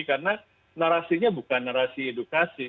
karena narasinya bukan narasi edukasi